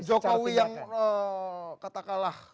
kalau pak jokowi yang katakanlah